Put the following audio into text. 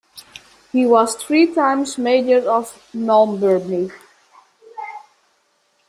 He was three times mayor of Malmbury.